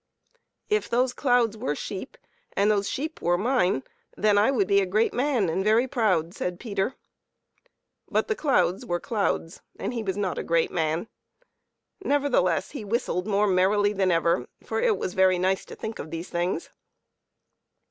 " If those clouds were sheep, and the sheep were mine, then I would be a great man and very proud," said Peter. 4$ PEPPER AND SALT. But the clouds were clouds, and he was not a great man ; nevertheless, he whistled more merrily than ever, for it was very nice to think of these things.